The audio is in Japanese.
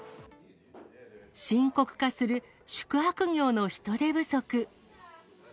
深刻化する宿泊業の人手不足。